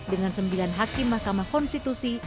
dengan sembilan hakim mahkamah konstitusi